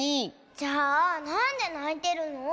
じゃあなんでないてるの？